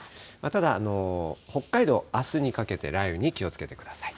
ただ、北海道、あすにかけて、雷雨に気をつけてください。